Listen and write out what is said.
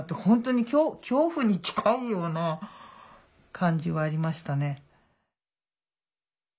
本当に恐怖に近いような感じはありましたね。